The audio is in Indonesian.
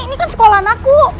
ini kan sekolahan aku